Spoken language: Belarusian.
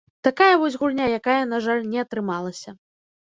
Такая вось гульня, якая, на жаль, не атрымалася.